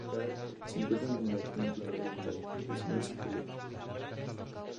Se encuentran en el Atlántico oriental: isla de Santa Helena.